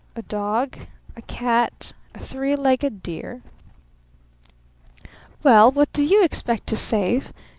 A dog? A cat? A three legged deer?" "Well, what do you expect to save?"